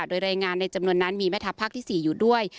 โดยรายงานในจำนวนนั้นมีแม่ทัพภาคที่๔อยู่ด้วย